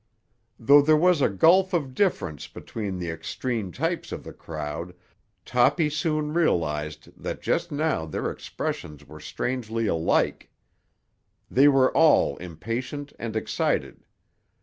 Though there was a gulf of difference between the extreme types of the crowd, Toppy soon realised that just now their expressions were strangely alike. They were all impatient and excited.